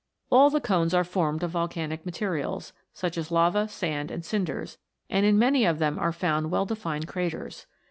All the cones are formed of volcanic materials, such as lava, sand, and cinders; and in many of them are found well defined craters.